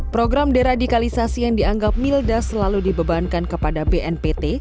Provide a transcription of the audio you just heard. program deradikalisasi yang dianggap milda selalu dibebankan kepada bnpt